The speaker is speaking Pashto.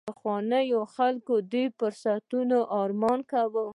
پخوانیو خلکو د دې فرصتونو ارمان کاوه